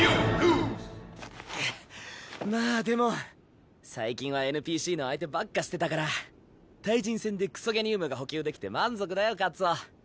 くっまあでも最近はＮＰＣの相手ばっかしてたから対人戦でクソゲニウムが補給できて満足だよカッツォ。